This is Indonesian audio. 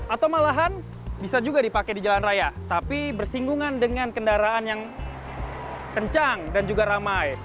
atau malahan bisa juga dipakai di jalan raya tapi bersinggungan dengan kendaraan yang kencang dan juga ramai